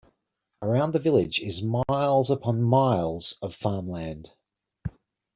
Around the village is miles upon miles of farm land.